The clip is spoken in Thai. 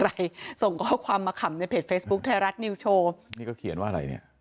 อะไรส่งข้อความมาขำในเพจเฟซบุ๊คไทยรัฐนิวส์โชว์นี่ก็เขียนว่าอะไรเนี่ย